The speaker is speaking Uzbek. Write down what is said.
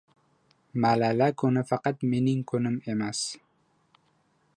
Malala kuni faqat mening kunim emas.